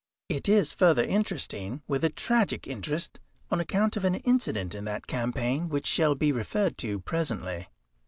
It is further interesting, with a tragic interest, on account of an incident in that campaign which shall be referred to presently.